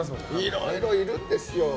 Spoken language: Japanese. いろいろいるんですよ。